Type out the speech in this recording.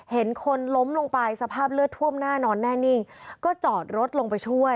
เห็นคนล้มลงไปสภาพเลือดท่วมหน้านอนแน่นิ่ง